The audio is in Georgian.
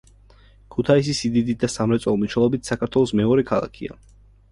ქუთაისი სიდიდით და სამრეწველო მნიშვნელობით საქართველოს მეორე ქალაქია.